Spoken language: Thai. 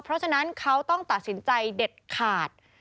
เพราะฉะนั้นเขาต้องตัดสินใจเด็ดขาด